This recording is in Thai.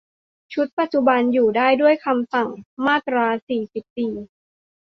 ชุดปัจจุบัน อยู่ได้ด้วยคำสั่งมาตรา สี่สิบสี่